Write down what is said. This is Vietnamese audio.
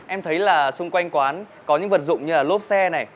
em thấy là xung quanh quán có những vật dụng như là lốp xe này